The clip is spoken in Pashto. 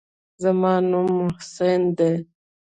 زما نوم محسن دى.